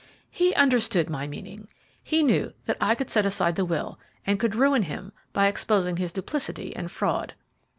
"He understood my meaning. He knew that I could set aside the will, and could ruin him by exposing his duplicity and fraud."